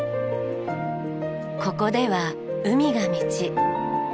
ここでは海が道。